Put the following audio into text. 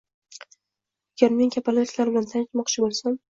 — Agar men kapalaklar bilan tanishmoqchi bo‘lsam